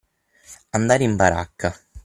Andare in baracca.